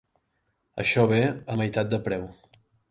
Això ve a meitat de preu.